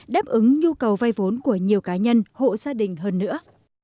đáp ứng nhu cầu vay vốn của nhiều cá nhân hộ gia đình hơn nữa